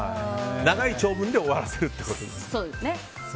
長い長文で終わらせるということですね。